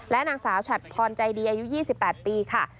นางสาวฉัดพรใจดีอายุ๒๘ปีค่ะ